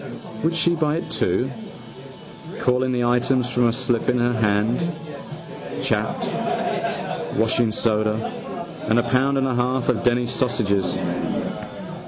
Would she buy it too, calling the items from a slip in her hand? Chapped: washingsoda. And a pound and a half of Denny's sausages.